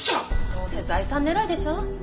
どうせ財産狙いでしょ。